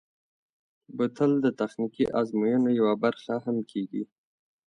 بوتل د تخنیکي ازموینو یوه برخه هم کېږي.